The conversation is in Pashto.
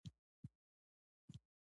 هغه په ډېر کمزوري غږ خبرې وکړې.